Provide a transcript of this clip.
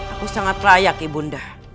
aku sangat layak ibu unda